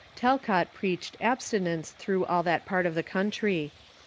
Talcott preached ab Reformers ^ stinence through all that jjart of the country.